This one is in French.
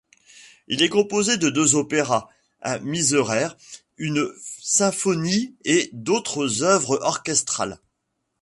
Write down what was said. Il a composé deux opéras, un Miserere, une symphonie et d'autres œuvres orchestrales.